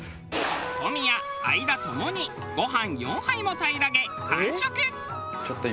小宮相田ともにご飯４杯も平らげ完食。